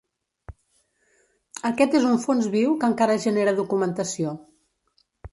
Aquest és un fons viu que encara genera documentació.